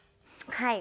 はい。